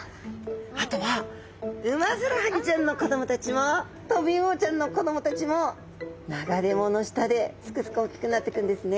あとはウマヅラハギちゃんの子どもたちもトビウオちゃんの子どもたちも流れ藻の下ですくすくおっきくなってくんですね。